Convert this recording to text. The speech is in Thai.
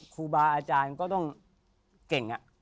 ครูบาอาจารย์ก็ต้องเก่ง